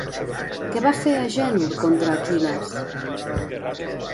Què va fer Agènor contra Aquil·les?